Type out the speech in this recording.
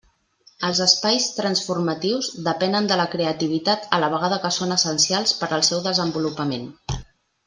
Els espais transformatius depenen de la creativitat a la vegada que són essencials per al seu desenvolupament.